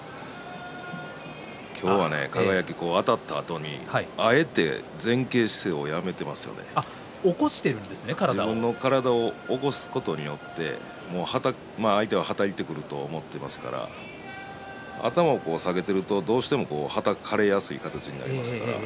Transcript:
今日はあたったあとにあえて前傾姿勢を取っていますが、輝は体を起こすことによって相手がはたいてくると思っていますから頭を下げていると、どうしてもはたかれやすい形になります。